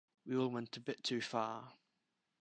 We all went a bit too far.